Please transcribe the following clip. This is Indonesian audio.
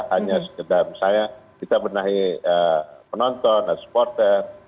hanya sekedar misalnya kita benahi penonton dan supporter